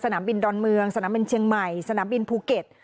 บินดอนเมืองสนามบินเชียงใหม่สนามบินภูเก็ต